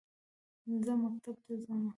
زه مکتب ته زمه